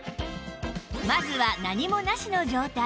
まずは何もなしの状態